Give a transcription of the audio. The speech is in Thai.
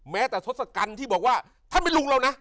แม้แต่ทศกัณฐ์ที่บอกว่าถ้าไม่ลุงเรานะ